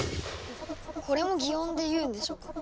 これも擬音で言うんでしょうか？